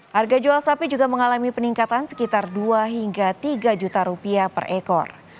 harga jual sapi juga mengalami peningkatan sekitar dua hingga tiga juta rupiah per ekor